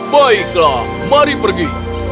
baiklah mari pergi